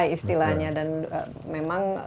istilahnya dan memang